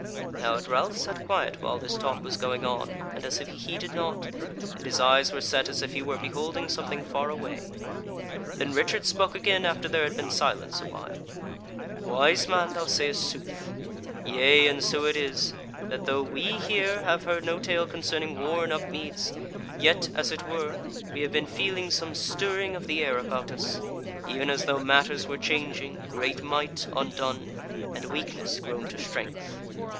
Now had Ralph sat quiet while this talk was going on, and as if he heeded not, and his eyes were set as if he were beholding something far away. Then Richard spoke again after there had been silence awhile: "Wise man, thou sayest sooth; yea, and so it is, that though we here have heard no tale concerning war in Upmeads, yet, as it were, we have been feeling some stirring of the air about us; even as though matters were changing, great might undone, and weakness grown to strength.